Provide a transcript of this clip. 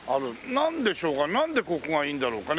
なんでしょうかなんでここがいいんだろうかね。